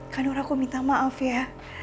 kak nur aku minta maaf ya